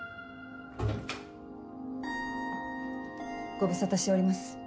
ご無沙汰しております